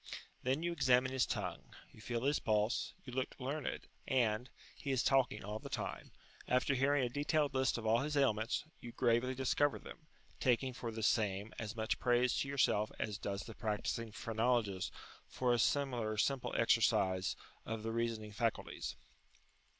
Then you examine his tongue, you feel his pulse, you look learned, and he is talking all the time after hearing a detailed list of all his ailments, you gravely discover them, taking for the same as much praise to yourself as does the practising phrenologist for a similar simple exercise of the reasoning faculties.